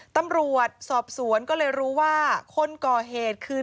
ตำรวจสอบสวนก็เลยรู้ว่าคนก่อเหตุคือ